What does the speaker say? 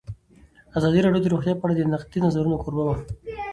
ازادي راډیو د روغتیا په اړه د نقدي نظرونو کوربه وه.